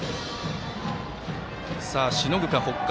しのぐか、北海。